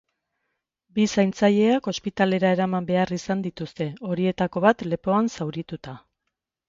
Bi zaintzaileak ospitalera eraman behar izan dituzte, horietako bat lepoan zaurituta.